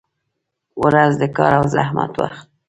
• ورځ د کار او زحمت وخت دی.